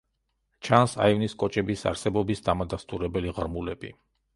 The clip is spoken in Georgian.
ჩანს აივნის კოჭების არსებობის დამადასტურებელი ღრმულები.